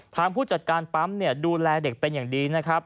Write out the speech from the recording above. ถามผู้จัดการปั๊มดูแลเด็กเป็นอย่างดี